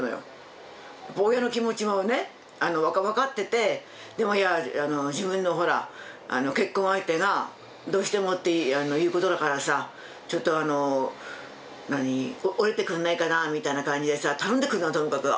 親の気持ちもね分かっててでもほら自分の結婚相手がどうしてもっていうことだからさちょっと折れてくれないかなみたいな感じでさ頼んでくるならともかく